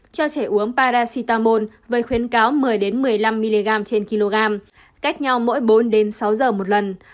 cho trẻ uống parasitamol với khuyến cáo một mươi một mươi năm mg trên kg cách nhau mỗi bốn sáu giờ một lần